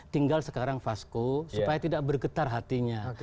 tinggal sekarang vasco supaya tidak bergetar hatinya